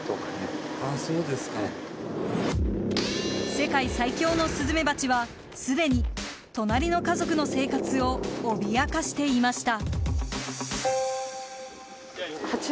世界最凶のスズメバチはすでに隣の家族の生活を脅かしていました。